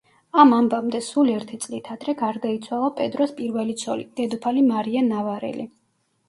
ამ ამბამდე სულ ერთი წლით ადრე გარდაიცვალა პედროს პირველი ცოლი, დედოფალი მარია ნავარელი.